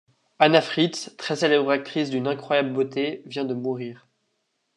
Anna Fritz, très célèbre actrice d'une incroyable beauté, vient de mourir.